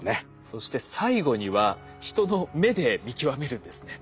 そして最後には人の目で見極めるんですね。